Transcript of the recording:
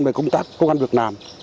về công tác công an việt nam